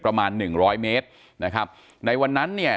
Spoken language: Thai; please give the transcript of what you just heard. ประมาณหนึ่งร้อยเมตรนะครับในวันนั้นเนี่ย